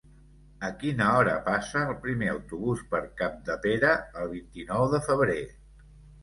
A quina hora passa el primer autobús per Capdepera el vint-i-nou de febrer?